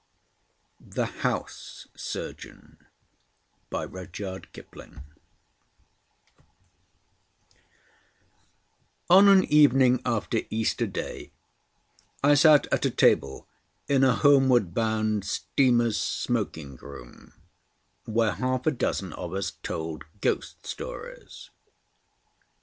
THE HOUSE SURGEON On an evening after Easter Day, I sat at a table in a homeward bound steamer's smoking room, where half a dozen of us told ghost stories.